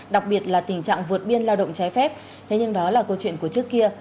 đặc biệt là tình trạng vượt biên lao động trái phép thế nhưng đó là câu chuyện của trước kia